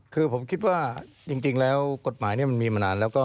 คือผมคิดว่าจริงแล้วกฎหมายนี้มันมีมานานแล้วก็